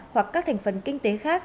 hoặc các thành phần kinh tế khác